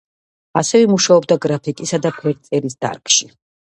ასევე მუშაობდა გრაფიკისა და ფერწერის დარგში.